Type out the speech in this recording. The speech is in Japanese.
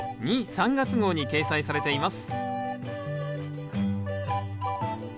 ・３月号に掲載されています